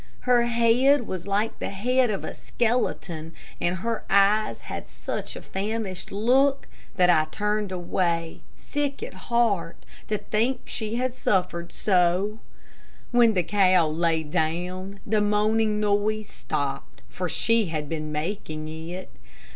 Her head was like the head of a skeleton, and her eyes had such a famished look, that I turned away, sick at heart, to think that she had suffered so. When the cow lay down, the moaning noise stopped, for she had been making it.